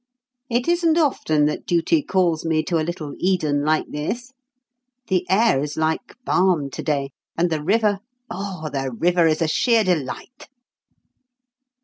It isn't often that duty calls me to a little Eden like this. The air is like balm to day; and the river oh, the river is a sheer delight."